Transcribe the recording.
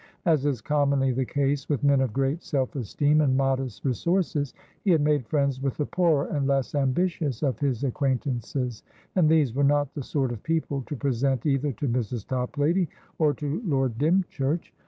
As is commonly the case with men of great self esteem and modest resources, he had made friends with the poorer and less ambitious of his acquaintances, and these were not the sort of people to present either to Mrs. Toplady or to Lord Dymchurch.